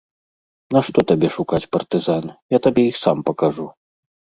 Нашто табе шукаць партызан, я табе іх сам пакажу!